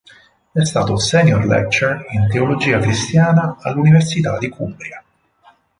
È stato Senior Lecture in teologia cristiana all'Università di Cumbria.